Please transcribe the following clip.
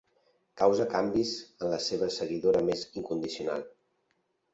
Causa canvis en la seva seguidora més incondicional.